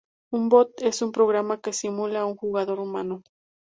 Un bot es un programa que simula a un jugador humano.